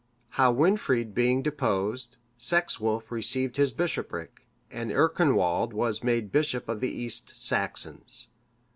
How Wynfrid being deposed, Sexwulf received his bishopric, and Earconwald was made bishop of the East Saxons.